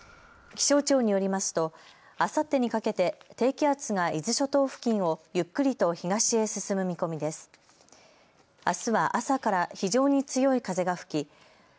気象庁によりますとあさってにかけて低気圧が伊豆諸島付近をゆっくりと東へ進む見込みです。